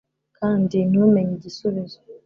kandi 'ntumenye igisubizo